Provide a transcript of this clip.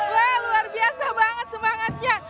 wah luar biasa banget semangatnya